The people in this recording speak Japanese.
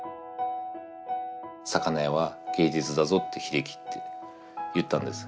「魚屋は芸術だぞ秀樹」って言ったんです。